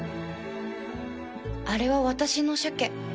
あれは私のシャケ。